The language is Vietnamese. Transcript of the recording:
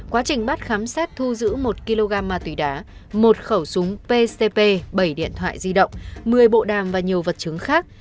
quá trình bắt khám xét thu giữ một kg ma túy đá một khẩu súng pcp bảy điện thoại di động một mươi bộ đàm và nhiều vật chứng khác